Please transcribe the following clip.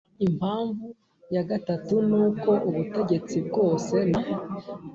Impamvu ya gatatu ni uko ubutegetsi bwose na